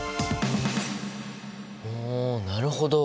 おなるほど！